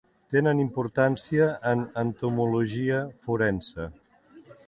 Tenen importància en entomologia forense.